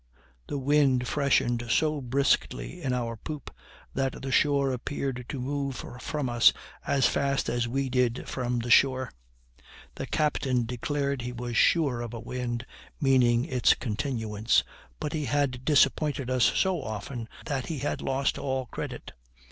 The wind freshened so briskly in our poop that the shore appeared to move from us as fast as we did from the shore. The captain declared he was sure of a wind, meaning its continuance; but he had disappointed us so often that he had lost all credit.